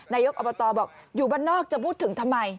นายกอบตบอกอยู่บ้านนอกจะพูดถึงทำไม